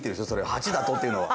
「８だと！？」っていうのは。